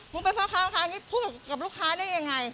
มึงไปพ่อเขาค่ะนี่พูดกับลูกค้าได้ยังไง